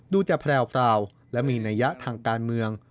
ดูจะแพร่วและมีนัยะทางการเมือง